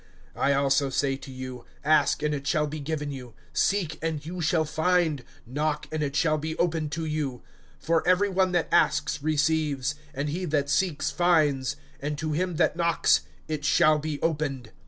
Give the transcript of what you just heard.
(9)I also say to you: Ask, and it shall be given you; seek, and ye shall find; knock, and it shall be opened to you. (10)For every one that asks receives; and he that seeks finds; and to him that knocks it shall be opened.